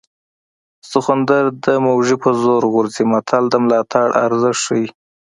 سخوندر د موږي په زور غورځي متل د ملاتړ ارزښت ښيي